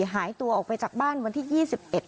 หายตัวออกไปจากบ้านวันที่๒๑